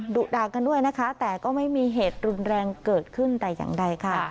ดุด่ากันด้วยนะคะแต่ก็ไม่มีเหตุรุนแรงเกิดขึ้นแต่อย่างใดค่ะ